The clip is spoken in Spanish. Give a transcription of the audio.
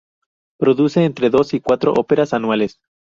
Produce entre dos y cuatro óperas anuales.